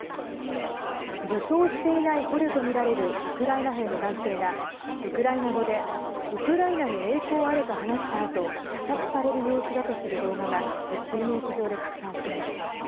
武装していない捕虜とみられるウクライナ兵の男性がウクライナ語で「ウクライナに栄光あれ」と話したあと射殺される様子だとする動画がＳＮＳ上で拡散しています。